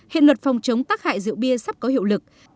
hiện luật phòng chống tắc hại rượu bia sắp có hiệu lực